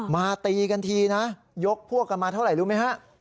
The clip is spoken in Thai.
ตีกันทีนะยกพวกกันมาเท่าไหร่รู้ไหมฮะ